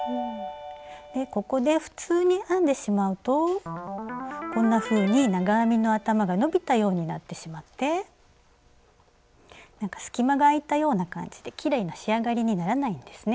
ここで普通に編んでしまうとこんなふうに長編みの頭が伸びたようになってしまって隙間があいたような感じできれいな仕上がりにならないんですね。